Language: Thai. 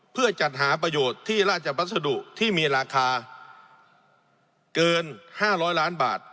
เพื่อจัดหาประโยชน์ที่ราชบัสดุที่มีราคาเกิน๕๐๐ล้านบาท